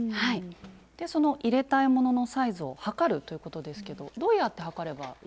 その入れたいもののサイズを測るということですけどどうやって測ればいいですか？